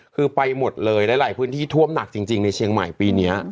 คือไปหมดเลยหลายพื้นที่ท่วมหนักจริงในเชียงใหม่ปีนี้